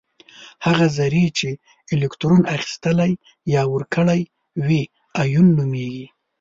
هغه ذرې چې الکترون اخیستلی یا ورکړی وي ایون نومیږي.